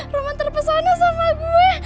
roman terpesona sama gue